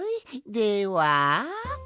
では。